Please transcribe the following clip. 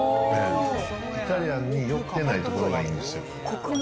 イタリアンに寄ってないところがいいんですよ。